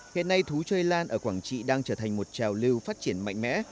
hiện nay thú chơi lan ở quảng trị đang trở thành một trào lưu phát triển mạnh mẽ